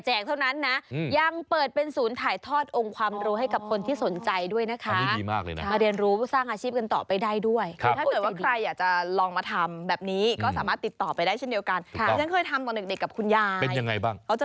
แต่ละแผ่นนะบอกเลยว่าได้รับลิขสิทธิ์แล้ว